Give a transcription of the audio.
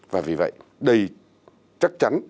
và vì vậy đây chắc chắn